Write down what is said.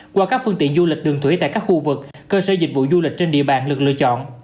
qua các phương tiện du lịch đường thủy tại các khu vực cơ sở dịch vụ du lịch trên địa bàn được lựa chọn